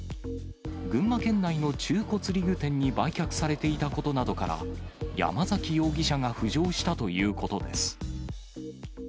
群馬県内の中古釣り具店に売却されていたことなどから、山崎容疑者が浮上したということです。